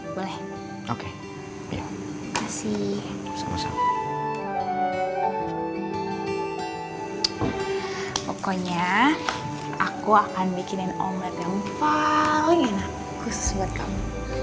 pokoknya aku akan bikinin omelette yang paling enak khusus buat kamu